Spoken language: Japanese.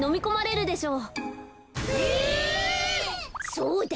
そうだ！